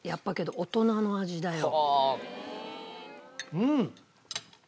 うん！